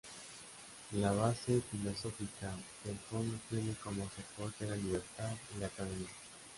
La base filosófica del Fondo tiene como soporte la libertad y la academia.